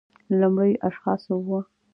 له لومړیو اشخاصو و